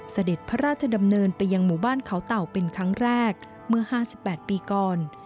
เสด็จพระราชดำเนินไปยังหมู่บ้านเขาเต่าเป็นครั้งแรกเมื่อ๕๘ปีก่อน